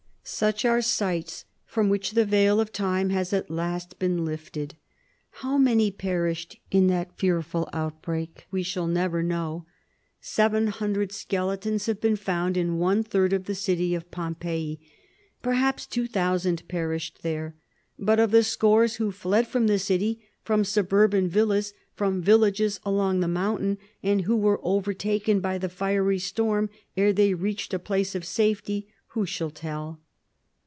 Such are sights from which the veil of time has at last been lifted. How many perished in that fearful outbreak we shall never know. Seven hundred skeletons have been found in one third of the city of Pompeii. Perhaps two thousand perished there. But of the scores who fled from the city, from suburban villas, from villages along the mountain, and who were overtaken by the fiery storm ere they reached a place of safety, who shall tell?